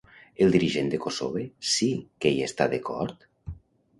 El dirigent de Kossove sí que hi està d'acord?